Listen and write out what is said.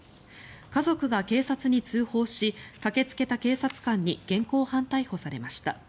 家族が警察に通報し駆けつけた警察官に現行犯逮捕されました。